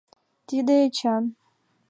— Тиде Эчан.